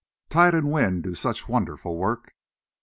Tide and wind do such wonderful work."